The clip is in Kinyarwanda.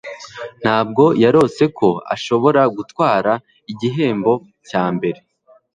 Ntabwo yarose ko ashobora gutwara igihembo cya mbere